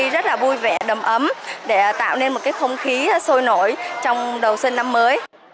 rất là vui vẻ đầm ấm để tạo nên một không khí sôi nổi trong đầu xuân năm mới